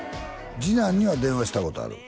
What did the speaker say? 次男には電話したことある？